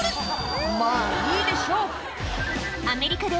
まぁいいでしょう